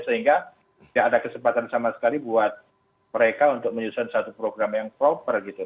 sehingga tidak ada kesempatan sama sekali buat mereka untuk menyusun satu program yang proper gitu